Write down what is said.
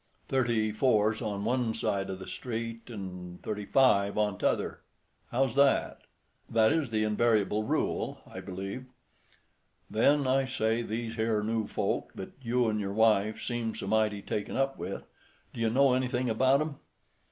Thirty four's on one side o' the street an' thirty five on t'other. How's that?" "That is the invariable rule, I believe." "Then—I say—these here new folk that you 'n' your wife seem so mighty taken up with—d'ye know anything about 'em?"